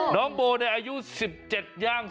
น้องโบในอายุ๑๗ย่าง